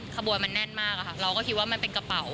ขบวนมันแน่นมากอะค่ะเราก็คิดว่ามันเป็นกระเป๋า